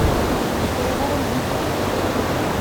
Ur sɛiɣ ara lviza.